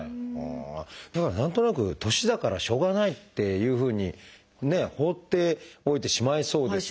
だから何となく年だからしょうがないっていうふうにね放っておいてしまいそうですけれども。